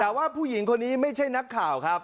แต่ว่าผู้หญิงคนนี้ไม่ใช่นักข่าวครับ